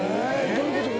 どういうことで？